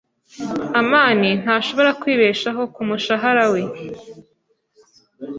amani ntashobora kwibeshaho kumushahara we.